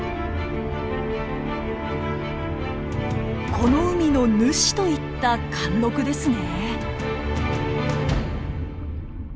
この海の主といった貫禄ですね。